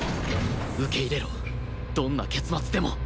受け入れろどんな結末でも